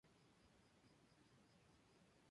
Esta escuela estaba al servicio del clan Hojo de Odawara.